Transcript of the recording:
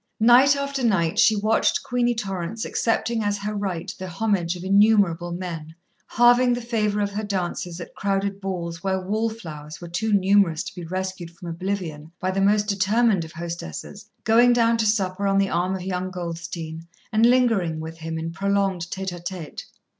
Night after night she watched Queenie Torrance accepting as her right the homage of innumerable men, halving the favour of her dances at crowded balls where "wall flowers" were too numerous to be rescued from oblivion by the most determined of hostesses, going down to supper on the arm of young Goldstein and lingering with him in prolonged tête à tête.